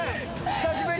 久しぶり。